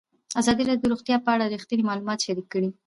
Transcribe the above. ازادي راډیو د روغتیا په اړه رښتیني معلومات شریک کړي.